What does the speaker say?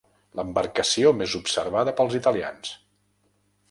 L'embarcació més observada pels italians.